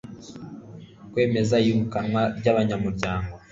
kwemeza iyirukanwa ry'abanyamuryango